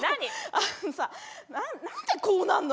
あのさなんでこうなるの？